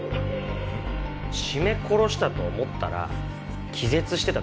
絞め殺したと思ったら気絶してただけだったとか？